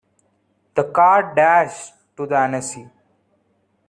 The car dashed through Annecy.